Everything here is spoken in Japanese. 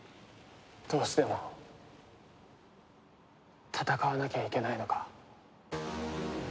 どうしても戦わなきゃいけないのか？